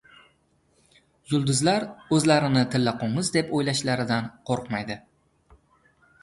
Yulduzlar o‘zlarini tillaqo‘ng‘iz deb o‘ylashlaridan qo‘rqmaydi.